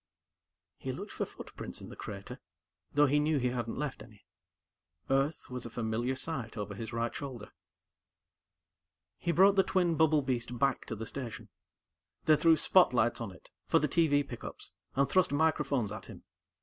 He looked for footprints in the crater, though he knew he hadn't left any. Earth was a familiar sight over his right shoulder. He brought the twin bubble beast back to the station. They threw spotlights on it, for the TV pickups, and thrust microphones at him.